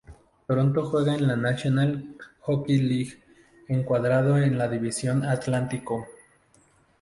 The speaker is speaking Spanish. Toronto juega en la National Hockey League, encuadrado en la División Atlántico.